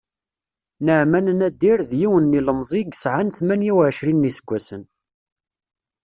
Naɛman Nadir, d yiwen n yilemẓi i yesεan tmanya uɛecrin n yiseggasen.